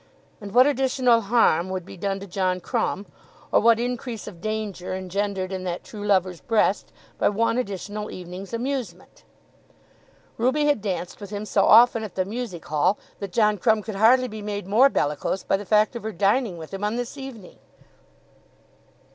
And what additional harm would be done to John Crumb, or what increase of anger engendered in that true lover's breast, by one additional evening's amusement? Ruby had danced with him so often at the Music Hall that John Crumb could hardly be made more bellicose by the fact of her dining with him on this evening.